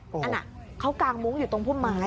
นั่นเขากางมุ้งอยู่ตรงพุ่มไม้